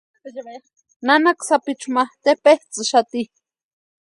Nanaka sapichu ma tepetsʼïxati.